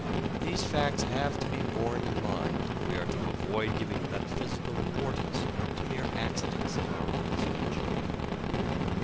These facts have to be borne in mind if we are to avoid giving metaphysical importance to mere accidents of our own speech.